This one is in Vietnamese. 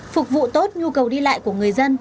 phục vụ tốt nhu cầu đi lại của người dân